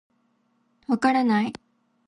分からない。